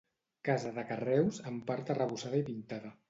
Casa de carreus, en part arrebossada i pintada.